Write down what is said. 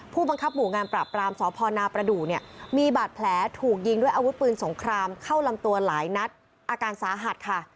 ผู้บังคับหมู่งานปราบรามสพนประดูกเนี่ยมีบาดแผลถูกยิงด้วยอาวุธปืนสงครามเข้าลำตัวหลายนัดอาการสาหัสค่ะ